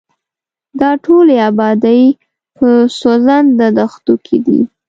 دا ټولې ابادۍ په سوځنده دښتو کې دي.